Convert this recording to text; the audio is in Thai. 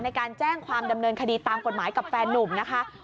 ในการแจ้งความดำเนินคดีตามกฎหมายกับแฟนนุ่มนะคะ